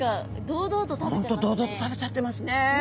本当堂々と食べちゃってますね。